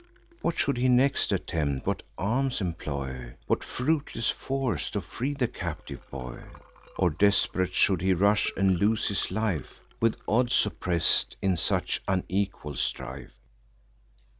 What should he next attempt? what arms employ, What fruitless force, to free the captive boy? Or desperate should he rush and lose his life, With odds oppress'd, in such unequal strife?